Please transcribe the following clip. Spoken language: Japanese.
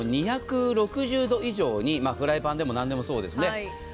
２６０度以上にフライパンでも何でもそうです。